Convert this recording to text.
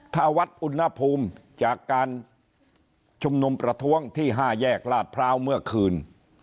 ถ้าวัดอุณหภูมิจากการชุมนุมประท้วงที่๕แยกลาดพร้าวเมื่อคืน